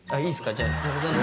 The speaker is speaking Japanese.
じゃあ。